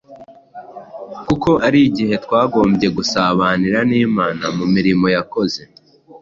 kuko ari igihe twagombye gusabanira n’Imana mu mirimo yakoze.